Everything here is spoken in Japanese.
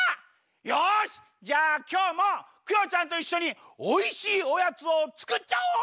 よしじゃあきょうもクヨちゃんといっしょにおいしいおやつをつくっちゃおう！